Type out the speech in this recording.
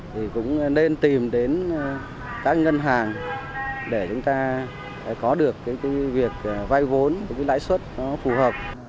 thì cũng nên tìm đến các ngân hàng để chúng ta có được việc vai vốn lãi xuất phù hợp